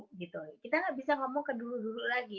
kita nggak bisa ngomong ke dulu dulu lagi